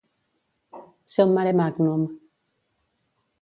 Ser un maremàgnum.